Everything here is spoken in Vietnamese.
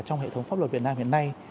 trong hệ thống pháp luật việt nam hiện nay